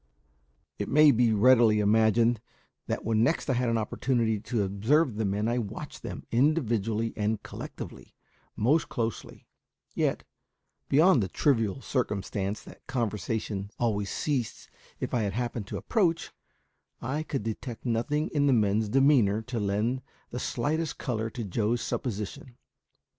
It may be readily imagined that when next I had an opportunity to observe the men I watched them, individually and collectively, most closely; yet, beyond the trivial circumstance that conversation always ceased if I happened to approach, I could detect nothing in the men's demeanour to lend the slightest colour to Joe's supposition.